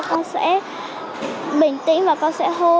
con sẽ bình tĩnh và con sẽ hô